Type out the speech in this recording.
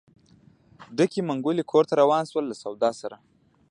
ډکې منګولې کور ته روان شول له سودا سره.